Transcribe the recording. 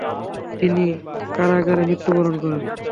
তিনি কারাগারে মৃত্যুবরণ করেন।